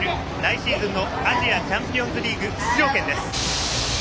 シーズンのアジアチャンピオンズリーグ出場権です。